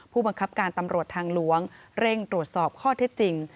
ผู้บังคับการตำรวจทางหลวงเร่งตรวจสอบข้อเท็จจริง